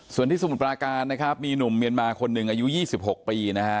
ส่วนที่สมุทรปราการนะครับมีหนุ่มเมียนมาคนหนึ่งอายุ๒๖ปีนะฮะ